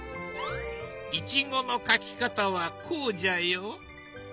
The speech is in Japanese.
イチゴの描き方はこうじゃよ。